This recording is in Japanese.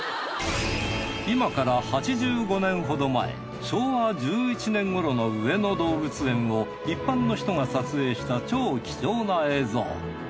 今から８５年ほど前昭和１１年頃の上野動物園を一般の人が撮影した超貴重な映像。